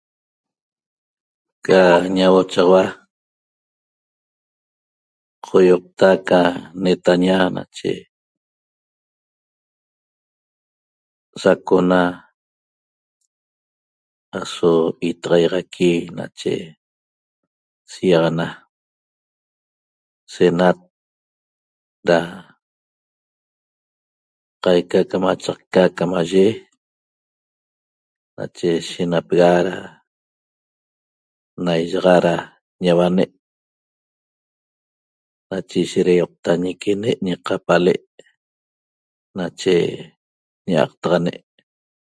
Ca ñauochaua da qoýoqta ca netaña nache sacona aso itaxaixaqui nache siaxana senat da qaica camachaqca camaye nache shenapega da na i'yaxa da nauane' nache ishet da ýoqta ñiquine' ñiqapale' nache ñi'aqtaxane'